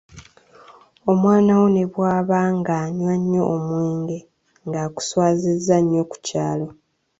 Omwana wo ne bw’aba ng’anywa nnyo omwenge, ng’akuswazizza nnyo ku kyalo.